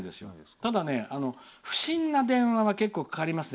ただ、不審な電話はけっこうかかりますね。